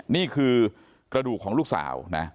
นี่คือกระดูกของลูกสาวนะ